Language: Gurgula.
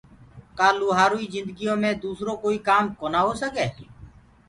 ڪآ لوهآروئي جندگيو مي دوسرو ڪوئي ڪآم ڪونآ هوسگي